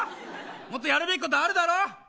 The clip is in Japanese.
もっとやるべきことあるだろう。